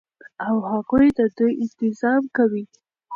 او هغوى ددوى انتظام كوي